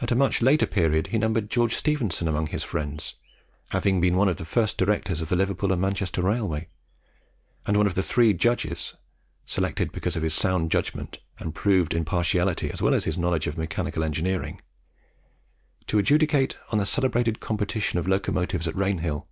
At a much later period he numbered George Stephenson among his friends, having been one of the first directors of the Liverpool and Manchester Railway, and one of the three judges (selected because of his sound judgment and proved impartiality, as well as his knowledge of mechanical engineering) to adjudicate on the celebrated competition of Locomotives at Rainhill.